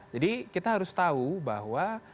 jadi kita harus tahu bahwa